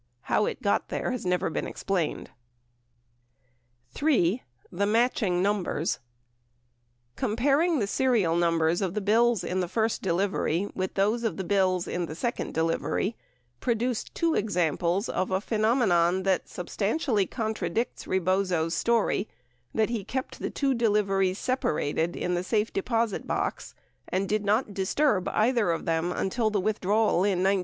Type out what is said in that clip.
How it got there has never been explained. 3. THE "matching" NUMBERS Comparing the serial numbers of the bills in the first delivery with those of the bills in the second delivery produced two examples of a phenomenon that substantially contradicts Rebozo's story that he kept the two deliveries separated in the safe deposit box and did not dis turb either of them until the withdrawal in 1973.